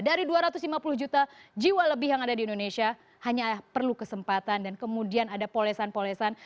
dari dua ratus lima puluh juta jiwa lebih yang ada di indonesia hanya perlu kesempatan dan kemudian ada polesan polesan